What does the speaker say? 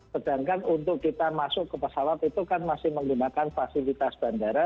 sedangkan untuk kita masuk ke pesawat itu kan masih menggunakan fasilitas bandara